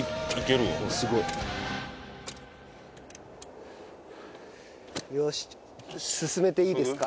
すごい。よし進めていいですか？